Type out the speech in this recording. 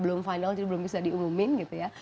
belum final jadi belum bisa diumumin gitu ya